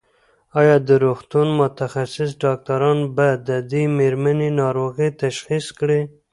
ایا د روغتون متخصص ډاکټران به د دې مېرمنې ناروغي تشخیص کړي؟